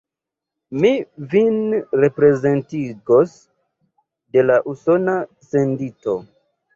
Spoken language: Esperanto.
Mi vin prezentigos de la Usona sendito.